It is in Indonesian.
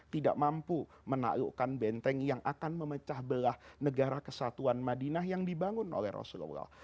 tidak mampu menaklukkan benteng yang akan memecah belah negara kesatuan madinah yang dibangun oleh rasulullah